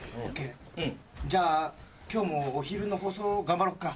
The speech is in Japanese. じゃあ今日もお昼の放送頑張ろっか。